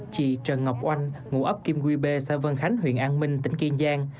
chị trần ngọc oanh ngũ ấp kim quy b xã vân khánh huyện an minh tỉnh kiên giang